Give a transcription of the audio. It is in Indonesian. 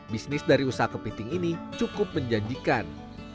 bisnis dari usaha kepiting ini cukup menjanjikan